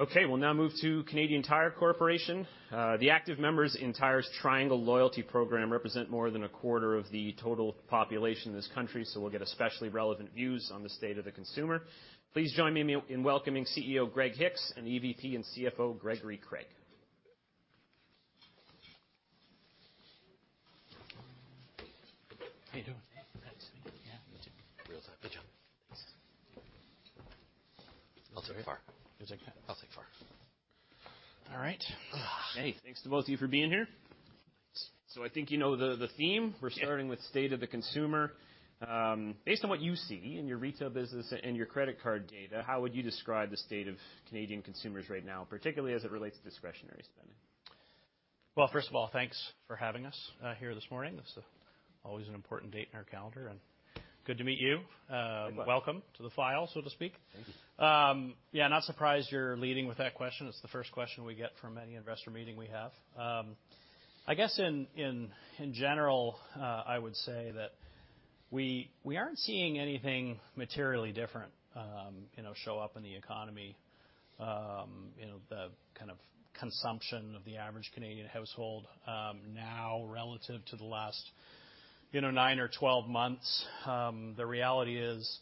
Okay, we'll now move to Canadian Tire Corporation. The active members in Canadian Tire's Triangle loyalty program represent more than a quarter of the total population in this country, so we'll get especially relevant views on the state of the consumer. Please join me in welcoming CEO Greg Hicks, and EVP and CFO Gregory Craig. How you doing? Good to see you. Yeah. Real time. Good job. Thanks. I'll take far. You'll take that? I'll take far. All right. Hey, thanks to both of you for being here. So I think you know the theme. Yeah. We're starting with state of the consumer. Based on what you see in your retail business and your credit card data, how would you describe the state of Canadian consumers right now, particularly as it relates to discretionary spending? First of all, thanks for having us here this morning. This is always an important date in our calendar, and good to meet you. Likewise. Welcome to the fireside, so to speak. Thank you. Yeah, not surprised you're leading with that question. It's the first question we get from any investor meeting we have. I guess in general, I would say that we aren't seeing anything materially different, you know, show up in the economy. You know, the kind of consumption of the average Canadian household, now relative to the last, you know, nine or twelve months, the reality is,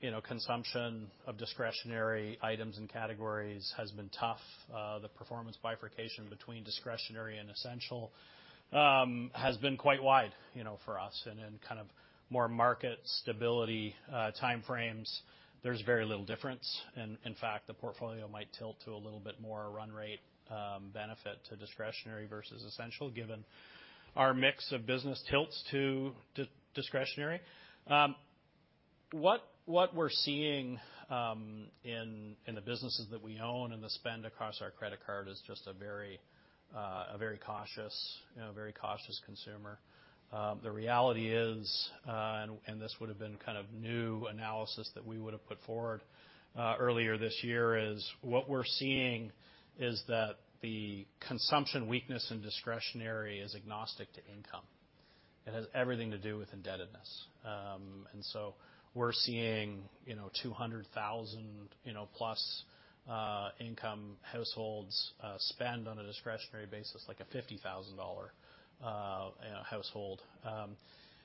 you know, consumption of discretionary items and categories has been tough. The performance bifurcation between discretionary and essential has been quite wide, you know, for us, and in kind of more market stability, time frames, there's very little difference, and in fact, the portfolio might tilt to a little bit more run rate, benefit to discretionary versus essential, given our mix of business tilts to discretionary. What we're seeing in the businesses that we own and the spend across our credit card is just a very cautious, you know, very cautious consumer. The reality is, and this would have been kind of new analysis that we would have put forward earlier this year, is what we're seeing is that the consumption weakness and discretionary is agnostic to income. It has everything to do with indebtedness. And so we're seeing, you know, two hundred thousand, you know, plus, income households spend on a discretionary basis, like a fifty thousand dollar, you know, household.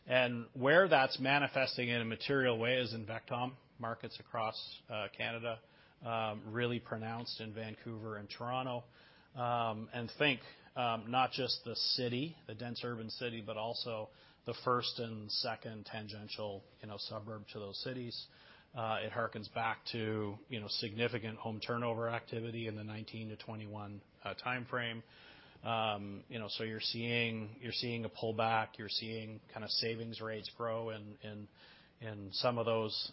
And where that's manifesting in a material way is in VECTOM markets across Canada, really pronounced in Vancouver and Toronto. Think not just the city, the dense urban city, but also the first and second tangential, you know, suburb to those cities. It hearkens back to, you know, significant home turnover activity in the 2019 to 2021 time frame. You know, so you're seeing a pullback, you're seeing kind of savings rates grow in some of those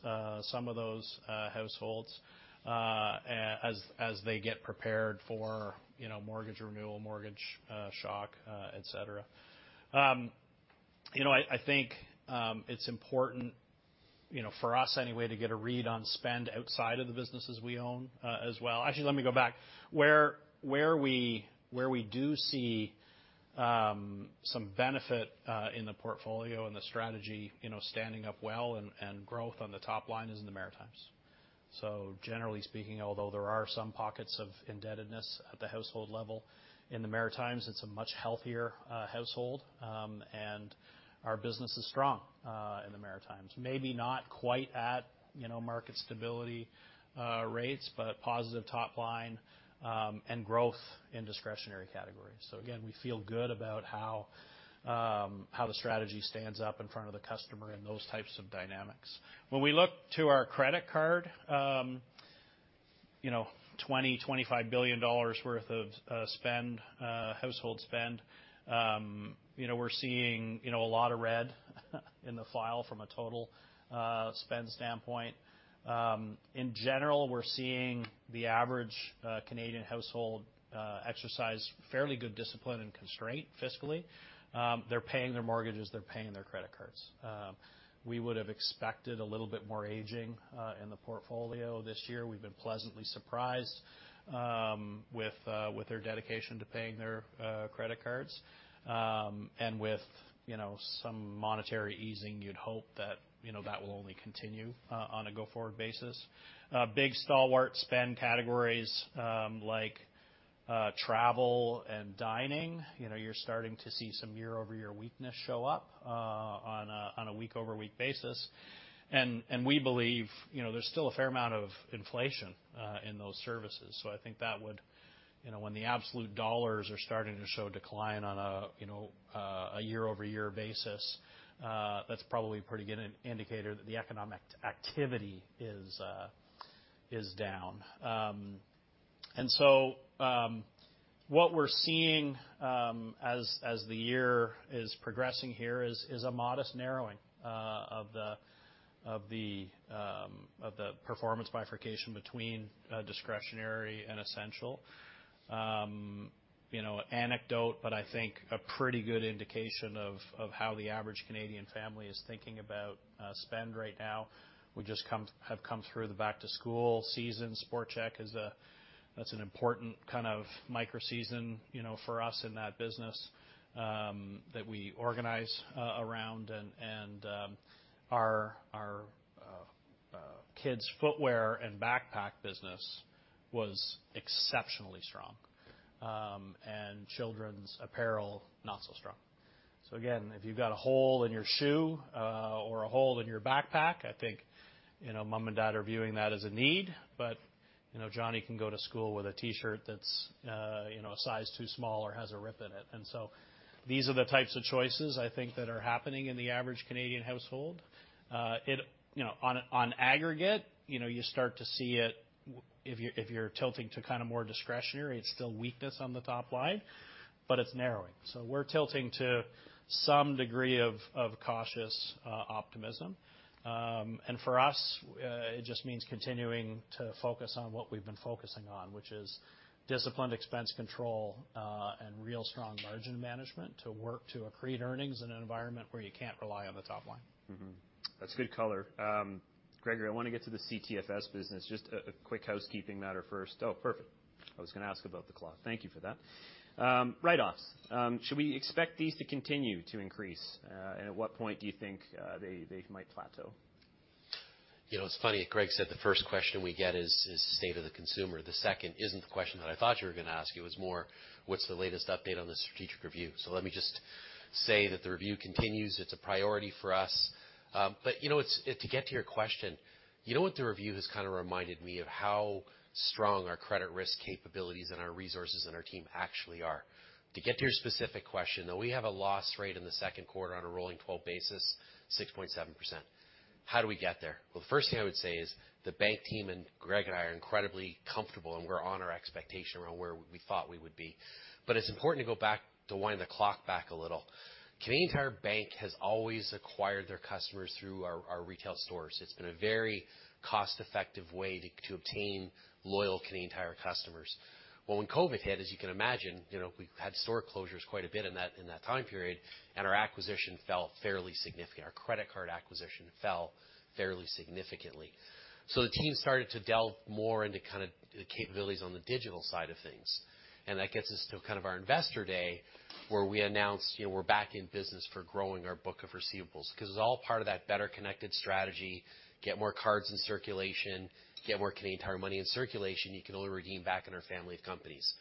households, as they get prepared for, you know, mortgage renewal, mortgage shock, et cetera. You know, I think it's important, you know, for us anyway, to get a read on spend outside of the businesses we own, as well. Actually, let me go back. Where we do see some benefit in the portfolio and the strategy, you know, standing up well, and growth on the top line is in the Maritimes. So generally speaking, although there are some pockets of indebtedness at the household level, in the Maritimes, it's a much healthier household, and our business is strong in the Maritimes. Maybe not quite at, you know, market stability rates, but positive top line and growth in discretionary categories. So again, we feel good about how the strategy stands up in front of the customer and those types of dynamics. When we look to our credit card, you know, 25 billion dollars worth of spend, household spend, you know, we're seeing, you know, a lot of red in the file from a total spend standpoint. In general, we're seeing the average Canadian household exercise fairly good discipline and constraint fiscally. They're paying their mortgages, they're paying their credit cards. We would have expected a little bit more aging in the portfolio this year. We've been pleasantly surprised with their dedication to paying their credit cards, and with some monetary easing, you'd hope that that will only continue on a go-forward basis. Big stalwart spend categories like travel and dining, you know, you're starting to see some year-over-year weakness show up on a week-over-week basis, and we believe, you know, there's still a fair amount of inflation in those services, so I think that would... You know, when the absolute dollars are starting to show decline on a, you know, a year-over-year basis, that's probably a pretty good indicator that the economic activity is down. And so, what we're seeing as the year is progressing here is a modest narrowing of the performance bifurcation between discretionary and essential. You know, anecdote, but I think a pretty good indication of how the average Canadian family is thinking about spend right now. We have just come through the back-to-school season. Sport Chek. That's an important kind of microseason, you know, for us in that business that we organize around. And our kids' footwear and backpack business was exceptionally strong. And children's apparel, not so strong. So again, if you've got a hole in your shoe, or a hole in your backpack, I think, you know, mom and dad are viewing that as a need, but you know, Johnny can go to school with a T-shirt that's, you know, a size too small or has a rip in it, and so these are the types of choices I think that are happening in the average Canadian household. You know, on aggregate, you start to see it if you're tilting to kind of more discretionary. It's still weakness on the top line, but it's narrowing, so we're tilting to some degree of cautious optimism. And for us, it just means continuing to focus on what we've been focusing on, which is disciplined expense control, and real strong margin management to work to accrete earnings in an environment where you can't rely on the top line. Mm-hmm. That's good color. Gregory, I want to get to the CTFS business. Just a quick housekeeping matter first. Oh, perfect. I was going to ask about the clock. Thank you for that. Write-offs, should we expect these to continue to increase? And at what point do you think they might plateau? You know, it's funny. Greg said the first question we get is the state of the consumer. The second isn't the question that I thought you were going to ask. It was more, what's the latest update on the strategic review? So let me just say that the review continues. It's a priority for us, but you know, to get to your question, you know what the review has kind of reminded me of how strong our credit risk capabilities and our resources and our team actually are. To get to your specific question, though, we have a loss rate in the second quarter on a rolling twelve basis, 6.7%. How do we get there? The first thing I would say is the bank team, and Greg and I are incredibly comfortable, and we're on our expectation around where we thought we would be. It's important to go back, to wind the clock back a little. Canadian Tire Bank has always acquired their customers through our retail stores. It's been a very cost-effective way to obtain loyal Canadian Tire customers. When COVID hit, as you can imagine, you know, we had store closures quite a bit in that time period, and our acquisition fell fairly significantly. Our credit card acquisition fell fairly significantly. The team started to delve more into kind of the capabilities on the digital side of things. That gets us to kind of our investor day, where we announced, you know, we're back in business for growing our book of receivables, because it's all part of that better connected strategy, get more cards in circulation, get more Canadian Tire Money in circulation you can only redeem back in our family of companies.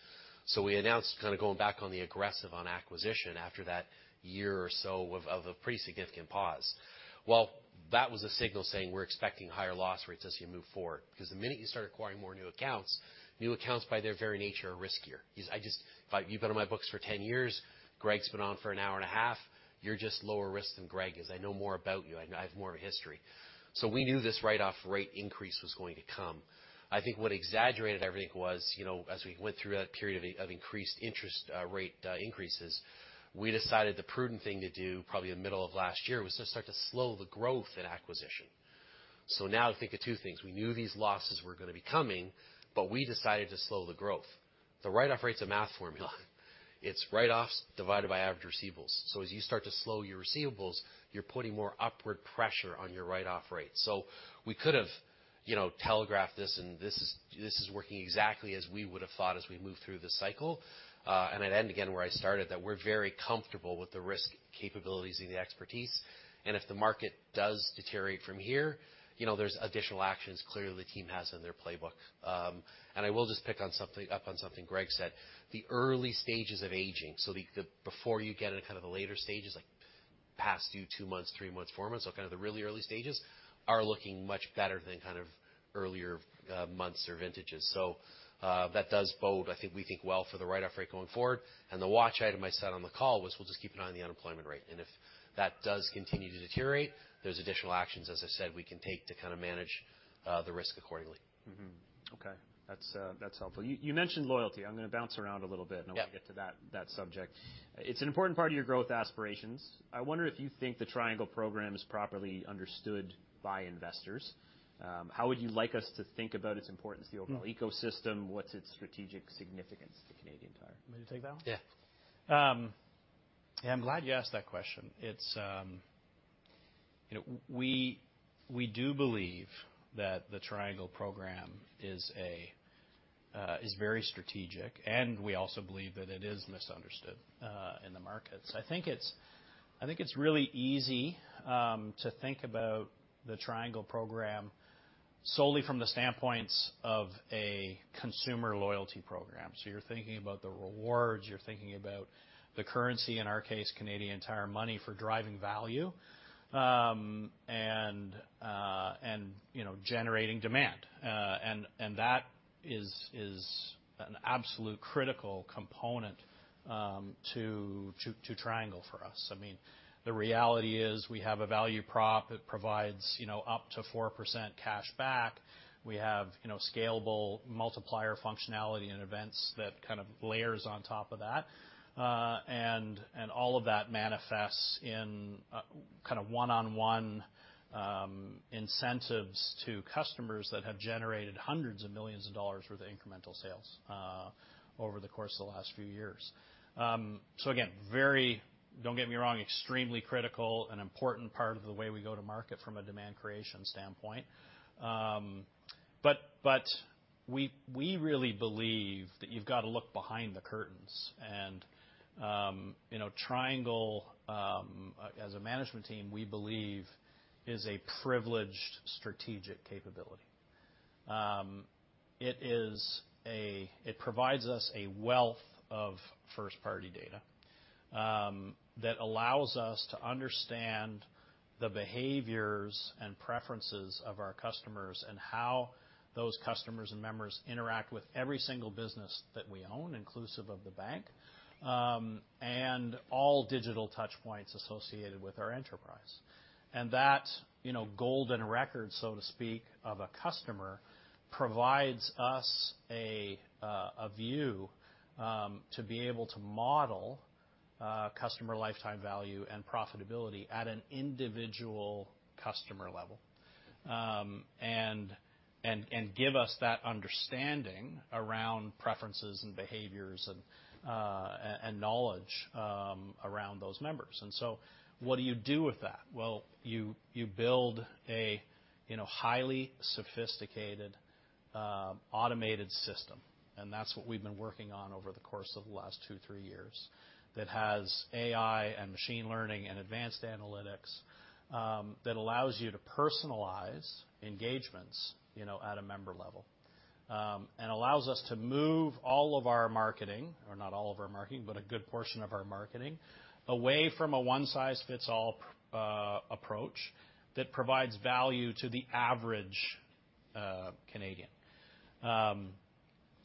We announced kind of going back on the aggressive on acquisition after that year or so of a pretty significant pause. That was a signal saying we're expecting higher loss rates as you move forward, because the minute you start acquiring more new accounts, by their very nature, are riskier. If you've been on my books for ten years, Greg's been on for an hour and a half, you're just lower risk than Greg is. I know more about you. I have more of a history. We knew this write-off rate increase was going to come. I think what exaggerated everything was, you know, as we went through that period of increased interest rate increases, we decided the prudent thing to do, probably in the middle of last year, was just start to slow the growth in acquisition. So now think of two things: We knew these losses were going to be coming, but we decided to slow the growth. The write-off rate's a math formula. It's write-offs divided by average receivables. So as you start to slow your receivables, you're putting more upward pressure on your write-off rate. So we could have, you know, telegraphed this, and this is working exactly as we would have thought as we move through this cycle. And I'd end again, where I started, that we're very comfortable with the risk capabilities and the expertise, and if the market does deteriorate from here, you know, there's additional actions clearly the team has in their playbook. And I will just pick up on something Greg said, the early stages of aging, so the before you get in kind of the later stages, like past due, two months, three months, four months, so kind of the really early stages, are looking much better than kind of earlier months or vintages. So, that does bode, I think, we think well for the write-off rate going forward. And the watch item I said on the call was we'll just keep an eye on the unemployment rate, and if that does continue to deteriorate, there's additional actions, as I said, we can take to kind of manage the risk accordingly. Mm-hmm. Okay. That's, that's helpful. You, you mentioned loyalty. I'm going to bounce around a little bit- Yeah. -and then we'll get to that, that subject. It's an important part of your growth aspirations. I wonder if you think the Triangle program is properly understood by investors. How would you like us to think about its importance to the overall ecosystem? What's its strategic significance to Canadian Tire? Want me to take that one? Yeah. I'm glad you asked that question. It's, you know, we do believe that the Triangle program is very strategic, and we also believe that it is misunderstood in the markets. I think it's really easy to think about the Triangle program solely from the standpoints of a consumer loyalty program. So you're thinking about the rewards, you're thinking about the currency, in our case, Canadian Tire Money for driving value, and you know generating demand. And that is an absolute critical component to Triangle for us. I mean, the reality is we have a value prop. It provides, you know, up to 4% cash back. We have, you know, scalable multiplier functionality and events that kind of layers on top of that. And all of that manifests in kind of one-on-one incentives to customers that have generated hundreds of millions of CAD worth of incremental sales over the course of the last few years. So again, very, don't get me wrong, extremely critical and important part of the way we go to market from a demand creation standpoint. But we really believe that you've got to look behind the curtains. You know, Triangle, as a management team, we believe is a privileged strategic capability. It provides us a wealth of first-party data that allows us to understand the behaviors and preferences of our customers, and how those customers and members interact with every single business that we own, inclusive of the bank, and all digital touch points associated with our enterprise. That, you know, golden record, so to speak, of a customer, provides us a view to be able to model customer lifetime value and profitability at an individual customer level. And give us that understanding around preferences and behaviors and knowledge around those members. And so what do you do with that? Well, you build a, you know, highly sophisticated automated system, and that's what we've been working on over the course of the last two, three years, that has AI and machine learning and advanced analytics that allows you to personalize engagements, you know, at a member level. And allows us to move all of our marketing, or not all of our marketing, but a good portion of our marketing, away from a one-size-fits-all approach that provides value to the average Canadian.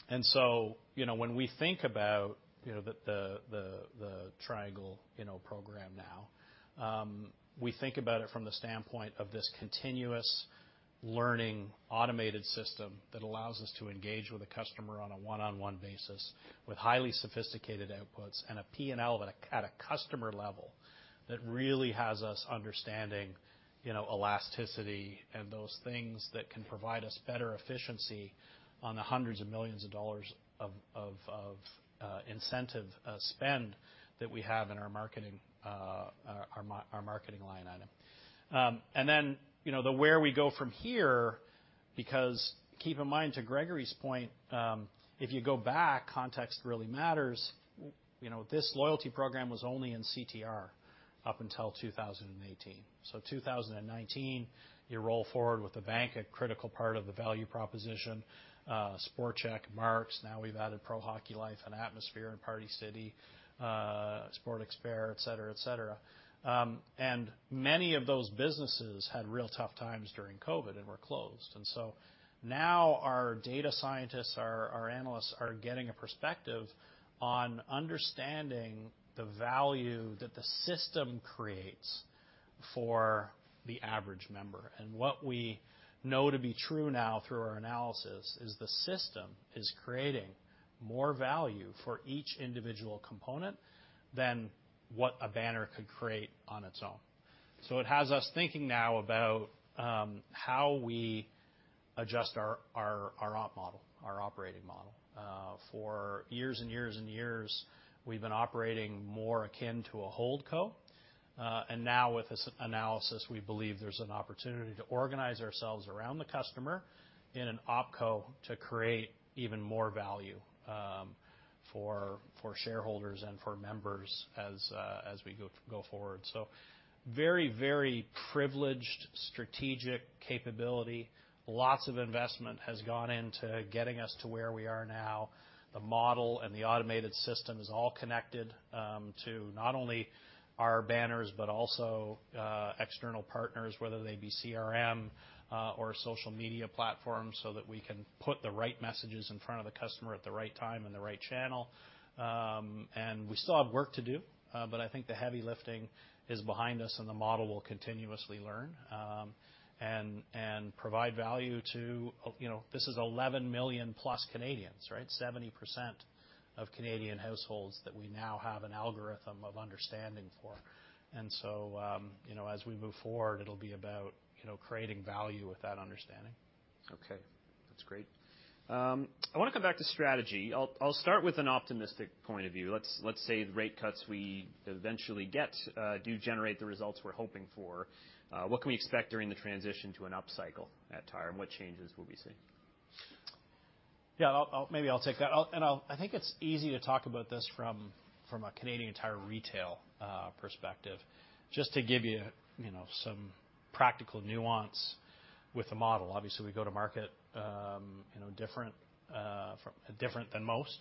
And so, you know, when we think about, you know, the Triangle program now, we think about it from the standpoint of this continuous learning automated system that allows us to engage with the customer on a one-on-one basis with highly sophisticated outputs and a P&L at a customer level, that really has us understanding, you know, elasticity and those things that can provide us better efficiency on the hundreds of millions of dollars of incentive spend that we have in our marketing line item. And then, you know, where we go from here, because keep in mind, to Gregory's point, if you go back, context really matters. You know, this loyalty program was only in CTR up until 2018. So 2019, you roll forward with the bank, a critical part of the value proposition, Sport Chek, Mark's. Now we've added Pro Hockey Life and Atmosphere and Party City, Sports Experts, et cetera, et cetera. And many of those businesses had real tough times during COVID and were closed. And so now our data scientists, our analysts are getting a perspective on understanding the value that the system creates for the average member. And what we know to be true now through our analysis is the system is creating more value for each individual component than what a banner could create on its own. So it has us thinking now about how we adjust our op model, our operating model. For years and years and years, we've been operating more akin to a HoldCo. And now with this analysis, we believe there's an opportunity to organize ourselves around the customer in an OpCo to create even more value for shareholders and for members as we go forward. So very, very privileged strategic capability. Lots of investment has gone into getting us to where we are now. The model and the automated system is all connected to not only our banners, but also external partners, whether they be CRM or social media platforms, so that we can put the right messages in front of the customer at the right time and the right channel. And we still have work to do, but I think the heavy lifting is behind us, and the model will continuously learn and provide value to, you know. This is 11 million plus Canadians, right? 70% of Canadian households that we now have an algorithm of understanding for. And so, you know, as we move forward, it'll be about, you know, creating value with that understanding. Okay, that's great. I wanna come back to strategy. I'll start with an optimistic point of view. Let's say the rate cuts we eventually get do generate the results we're hoping for. What can we expect during the transition to an upcycle at Tire, and what changes will we see? Yeah, I'll. Maybe I'll take that. And I'll. I think it's easy to talk about this from a Canadian Tire Retail perspective. Just to give you, you know, some practical nuance with the model. Obviously, we go to market, you know, different, different than most,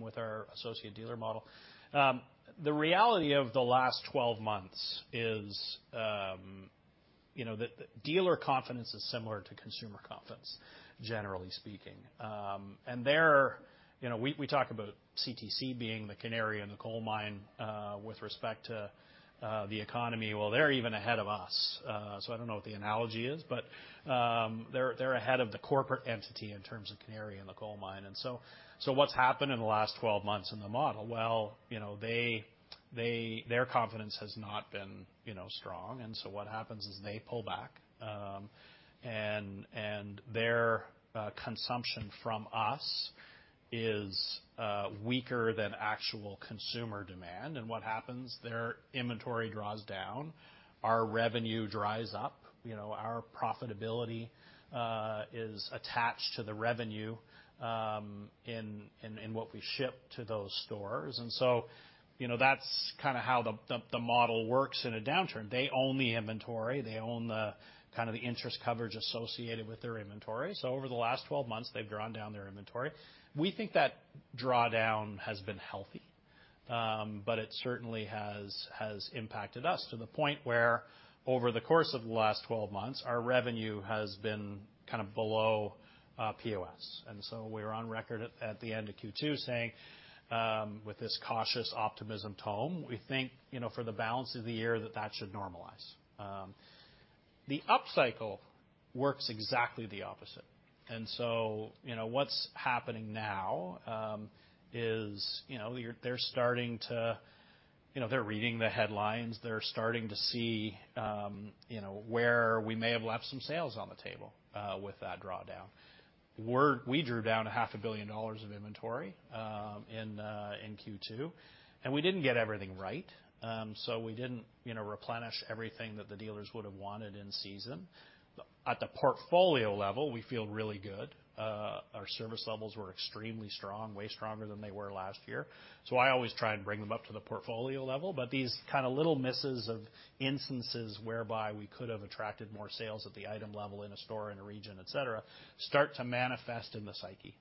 with our Associate Dealer model. The reality of the last twelve months is, you know, that the dealer confidence is similar to consumer confidence, confidence, generally speaking. And they're, you know, we, we talk about CTC being the canary in the coal mine, with respect to the economy. Well, they're even ahead of us. So I don't know what the analogy is, but they're ahead of the corporate entity in terms of canary in the coal mine. And so what's happened in the last twelve months in the model? You know, their confidence has not been, you know, strong, and so what happens is they pull back, and their consumption from us is weaker than actual consumer demand. And what happens? Their inventory draws down, our revenue dries up. You know, our profitability is attached to the revenue in what we ship to those stores. And so, you know, that's kind of how the model works in a downturn. They own the inventory. They own kind of the interest coverage associated with their inventory. So over the last twelve months, they've drawn down their inventory. We think that drawdown has been healthy, but it certainly has impacted us to the point where, over the course of the last twelve months, our revenue has been kind of below POS. And so we're on record at the end of Q2 saying, with this cautious optimism tone, we think, you know, for the balance of the year, that that should normalize. The upcycle works exactly the opposite. And so, you know, what's happening now is, you know, they're starting to. You know, they're reading the headlines. They're starting to see, you know, where we may have left some sales on the table with that drawdown. We drew down 500 million dollars of inventory in Q2, and we didn't get everything right, so we didn't, you know, replenish everything that the dealers would have wanted in season. At the portfolio level, we feel really good. Our service levels were extremely strong, way stronger than they were last year. So I always try and bring them up to the portfolio level, but these kind of little misses of instances whereby we could have attracted more sales at the item level in a store, in a region, et cetera, start to manifest in the psyche.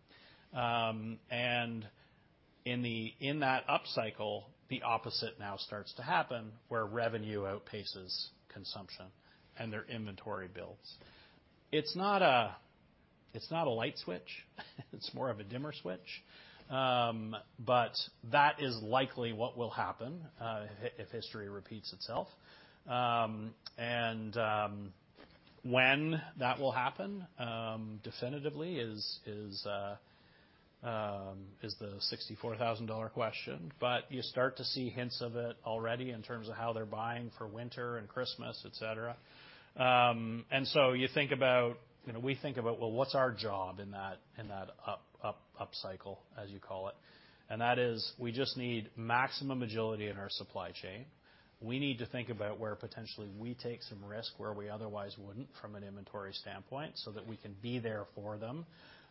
And in that upcycle, the opposite now starts to happen, where revenue outpaces consumption and their inventory builds. It's not a light switch, it's more of a dimmer switch. But that is likely what will happen, if history repeats itself. And when that will happen definitively is the sixty-four thousand dollar question, but you start to see hints of it already in terms of how they're buying for winter and Christmas, et cetera. And so you think about, you know, we think about, well, what's our job in that upcycle, as you call it? And that is, we just need maximum agility in our supply chain. We need to think about where potentially we take some risk, where we otherwise wouldn't from an inventory standpoint, so that we can be there for them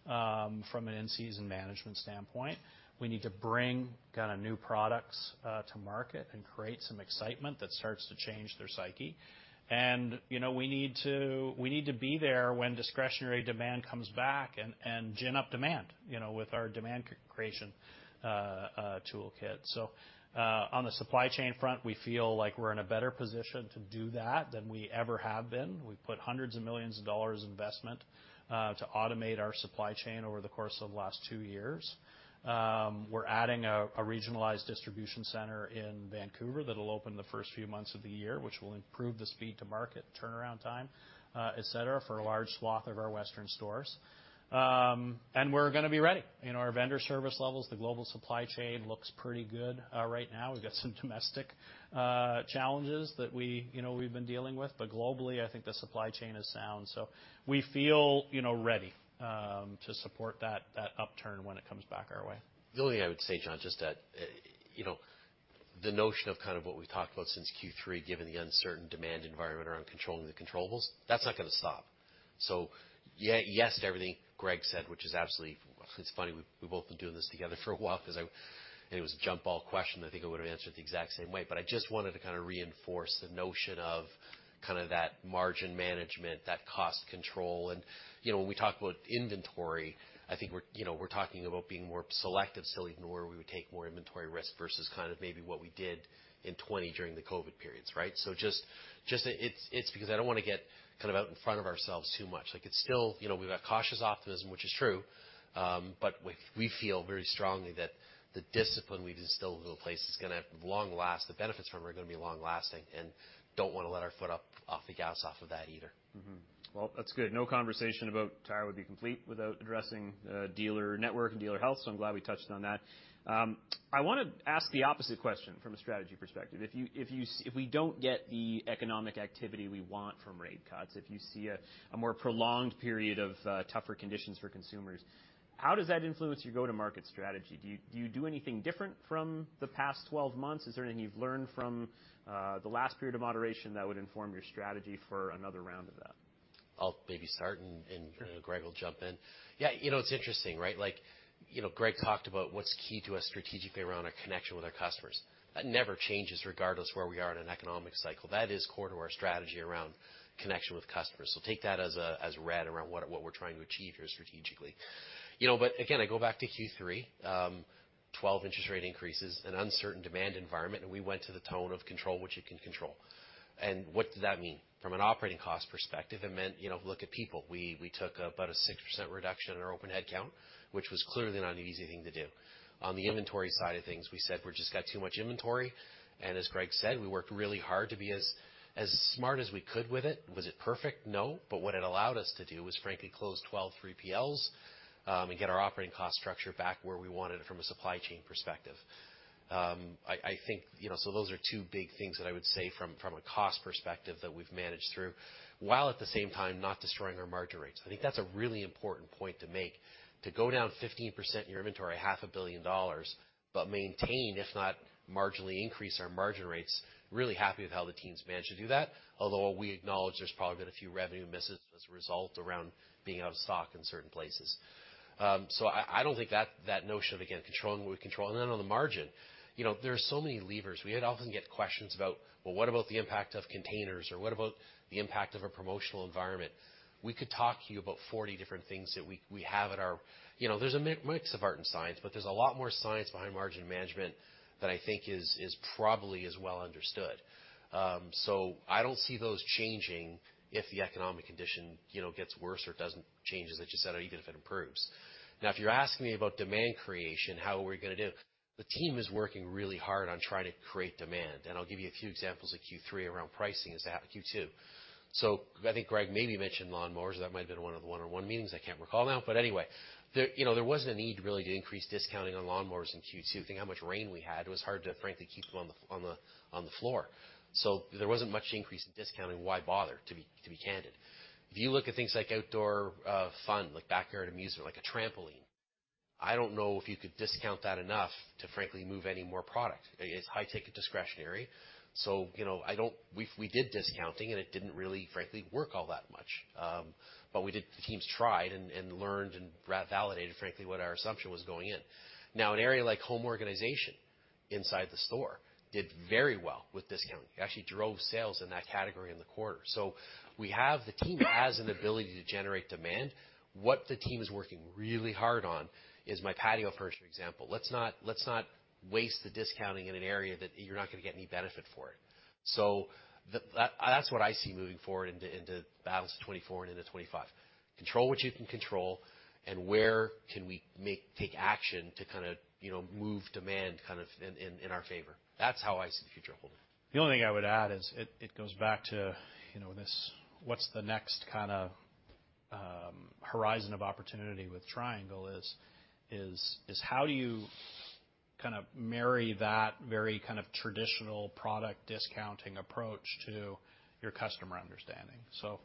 from an in-season management standpoint. We need to bring kind of new products to market and create some excitement that starts to change their psyche. And, you know, we need to be there when discretionary demand comes back and gin up demand, you know, with our demand creation toolkit. So, on the supply chain front, we feel like we're in a better position to do that than we ever have been. We've put hundreds of millions of dollars of investment to automate our supply chain over the course of the last two years. We're adding a regionalized distribution center in Vancouver that'll open the first few months of the year, which will improve the speed to market, turnaround time, et cetera, for a large swath of our Western stores, and we're gonna be ready. You know, our vendor service levels, the global supply chain looks pretty good right now. We've got some domestic challenges that we, you know, we've been dealing with, but globally, I think the supply chain is sound, so we feel, you know, ready to support that upturn when it comes back our way. The only thing I would say, John, just that, you know, the notion of kind of what we've talked about since Q3, given the uncertain demand environment around controlling the controllables, that's not gonna stop. So yes to everything Greg said, which is absolutely. It's funny, we've both been doing this together for a while because, and it was a jump ball question, I think I would've answered the exact same way. But I just wanted to kind of reinforce the notion of kind of that margin management, that cost control. And, you know, when we talk about inventory, I think we're, you know, we're talking about being more selective, say, where we would take more inventory risk versus kind of maybe what we did in 2020 during the COVID periods, right? So it's because I don't want to get kind of out in front of ourselves too much. Like, it's still, you know, we've got cautious optimism, which is true, but we feel very strongly that the discipline we've instilled into place is gonna long last. The benefits from it are gonna be long lasting, and don't wanna let our foot up off the gas off of that either. Mm-hmm. Well, that's good. No conversation about tire would be complete without addressing dealer network and dealer health, so I'm glad we touched on that. I wanna ask the opposite question from a strategy perspective. If we don't get the economic activity we want from rate cuts, if you see a more prolonged period of tougher conditions for consumers, how does that influence your go-to-market strategy? Do you do anything different from the past twelve months? Is there anything you've learned from the last period of moderation that would inform your strategy for another round of that? I'll maybe start. Sure. Greg will jump in. Yeah, you know, it's interesting, right? Like, you know, Greg talked about what's key to us strategically around our connection with our customers. That never changes, regardless of where we are in an economic cycle. That is core to our strategy around connection with customers. So take that as read around what we're trying to achieve here strategically. You know, but again, I go back to Q3, 12 interest rate increases, an uncertain demand environment, and we went to the tone of control what you can control. And what does that mean? From an operating cost perspective, it meant, you know, look at people. We took about a 6% reduction in our open headcount, which was clearly not an easy thing to do. On the inventory side of things, we said we've just got too much inventory, and as Greg said, we worked really hard to be as smart as we could with it. Was it perfect? No, but what it allowed us to do was, frankly, close 12 3PLs, and get our operating cost structure back where we wanted it from a supply chain perspective. I think, you know, so those are two big things that I would say from a cost perspective that we've managed through, while at the same time not destroying our margin rates. I think that's a really important point to make, to go down 15% in your inventory, 500 million dollars, but maintain, if not marginally increase our margin rates. Really happy with how the team's managed to do that, although we acknowledge there's probably been a few revenue misses as a result around being out of stock in certain places. So I don't think that notion of, again, controlling what we control. And then on the margin, you know, there are so many levers. We often get questions about, "Well, what about the impact of containers? Or what about the impact of a promotional environment?" We could talk to you about 40 different things that we have at our... You know, there's a mix of art and science, but there's a lot more science behind margin management that I think is probably as well understood. So I don't see those changing if the economic condition, you know, gets worse or doesn't change, as you said, or even if it improves. Now, if you're asking me about demand creation, how are we gonna do it? The team is working really hard on trying to create demand, and I'll give you a few examples of Q3 around pricing as to Q2, so I think Greg maybe mentioned lawnmowers. That might have been one of the one-on-one meetings. I can't recall now, but anyway, you know, there wasn't a need really to increase discounting on lawnmowers in Q2. Think how much rain we had. It was hard to frankly keep them on the floor, so there wasn't much increase in discounting. Why bother? To be candid. If you look at things like outdoor fun, like backyard amusement, like a trampoline, I don't know if you could discount that enough to frankly move any more product. It's high ticket discretionary, so, you know, we did discounting, and it didn't really, frankly, work all that much. But we did. The teams tried and learned and rather validated, frankly, what our assumption was going in. Now, an area like home organization inside the store did very well with discounting. It actually drove sales in that category in the quarter. So the team has an ability to generate demand. What the team is working really hard on is my patio furniture example. Let's not waste the discounting in an area that you're not gonna get any benefit for it. So that's what I see moving forward into balance of 2024 and into 2025. Control what you can control, and where can we take action to kinda, you know, move demand kind of in our favor? That's how I see the future unfolding. The only thing I would add is it goes back to, you know, this, what's the next kind of horizon of opportunity with Triangle is how do you kind of marry that very kind of traditional product discounting approach to your customer understanding? So,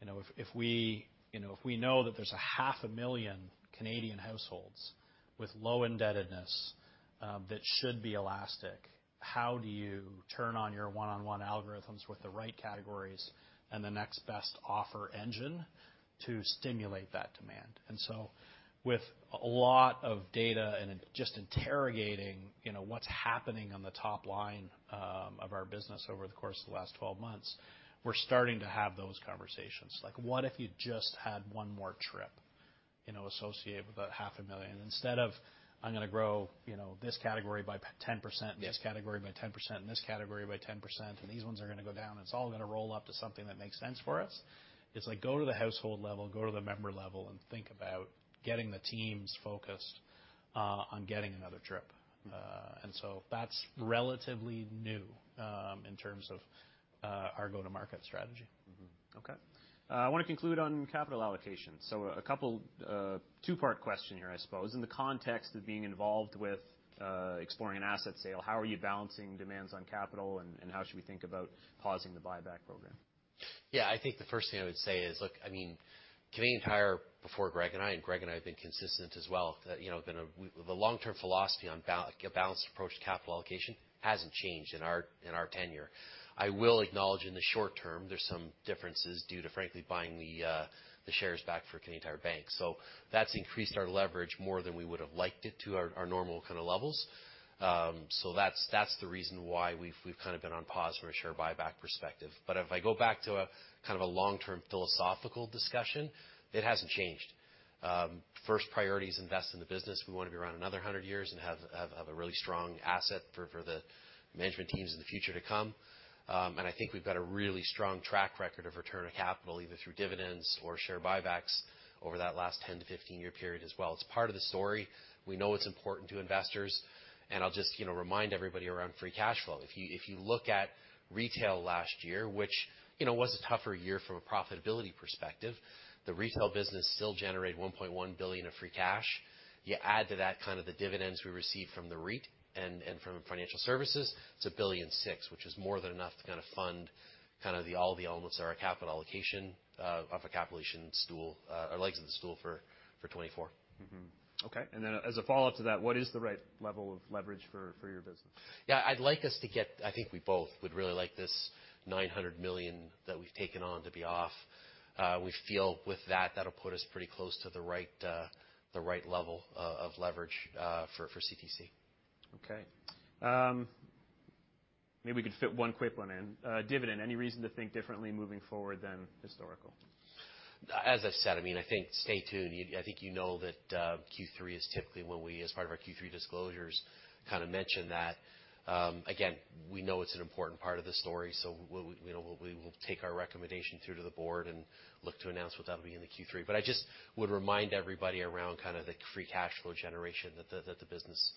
you know, if we, you know, if we know that there's 500,000 Canadian households with low indebtedness that should be elastic, how do you turn on your one-on-one algorithms with the right categories and the next best offer engine to stimulate that demand? And so with a lot of data and just interrogating, you know, what's happening on the top line of our business over the course of the last 12 months, we're starting to have those conversations, like, what if you just had one more trip, you know, associated with about 500,000? Instead of, I'm gonna grow, you know, this category by 10%- Yes This category by 10% and this category by 10%, and these ones are gonna go down, and it's all gonna roll up to something that makes sense for us. It's like, go to the household level, go to the member level, and think about getting the teams focused on getting another trip. And so that's relatively new, in terms of, our go-to-market strategy. Mm-hmm. Okay. I want to conclude on capital allocation. So a couple, two-part question here, I suppose. In the context of being involved with, exploring an asset sale, how are you balancing demands on capital, and how should we think about pausing the buyback program? Yeah, I think the first thing I would say is, look, I mean, Canadian Tire, before Greg and I, and Greg and I have been consistent as well, that, you know, the long-term philosophy on a balanced approach to capital allocation hasn't changed in our tenure. I will acknowledge in the short term, there's some differences due to, frankly, buying the shares back for Canadian Tire Bank. So that's increased our leverage more than we would have liked it to our normal kind of levels. So that's the reason why we've kind of been on pause from a share buyback perspective. But if I go back to a kind of a long-term philosophical discussion, it hasn't changed. First priority is invest in the business. We want to be around another hundred years and have a really strong asset for the management teams in the future to come. And I think we've got a really strong track record of return on capital, either through dividends or share buybacks over that last ten-to-fifteen-year period as well. It's part of the story. We know it's important to investors, and I'll just, you know, remind everybody around free cash flow. If you look at retail last year, which, you know, was a tougher year from a profitability perspective, the retail business still generated 1.1 billion of free cash. You add to that kind of the dividends we received from the REIT and from financial services, it's 1.6 billion, which is more than enough to kind of fund kind of the all the elements of our capital allocation of a capital allocation stool or legs of the stool for 2024. Mm-hmm. Okay, and then as a follow-up to that, what is the right level of leverage for your business? Yeah, I'd like us to get... I think we both would really like this 900 million that we've taken on to be off. We feel with that, that'll put us pretty close to the right level of leverage for CTC. Okay. Maybe we could fit one quick one in. Dividend, any reason to think differently moving forward than historical? As I've said, I mean, I think, stay tuned. I think you know that, Q3 is typically when we, as part of our Q3 disclosures, kind of mention that. Again, we know it's an important part of the story, so we, you know, we will take our recommendation through to the board and look to announce what that'll be in the Q3, but I just would remind everybody around kind of the free cash flow generation that the business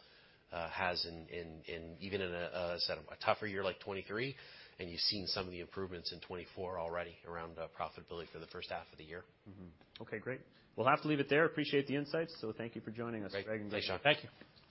has in even in a set of a tougher year like 2023, and you've seen some of the improvements in 2024 already around profitability for the first half of the year. Mm-hmm. Okay, great. We'll have to leave it there. Appreciate the insights, so thank you for joining us. Great. Thanks, John. Thank you!